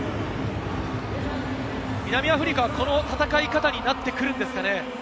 南アフリカはこの戦い方になってくるんですかね？